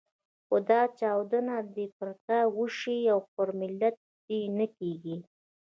خو دا چاودنه دې پر تا وشي او پر ملت دې نه کېږي.